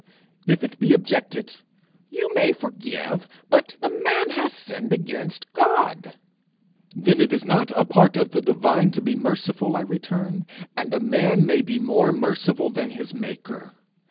If it be objected, 'You may forgive, but the man has sinned against God!' Then it is not a part of the divine to be merciful, I return, and a man may be more merciful than his maker!